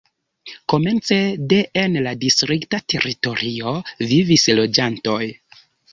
Komence de en la distrikta teritorio vivis loĝantoj.